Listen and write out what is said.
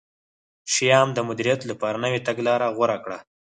شیام د مدیریت لپاره نوې تګلاره غوره کړه.